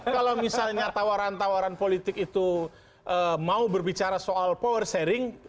kalau misalnya tawaran tawaran politik itu mau berbicara soal power sharing